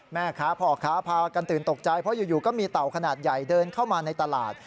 แม่ค้าพ่อค้าพากันตื่นตกใจเพราะอยู่ก็มีเต่าขนาดใหญ่เดินเข้ามาในตลาด